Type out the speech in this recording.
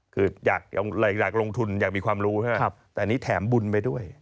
คืออยากลงทุนอยากมีความรู้ใช่ไหมแต่อันนี้แถมบุญไปด้วย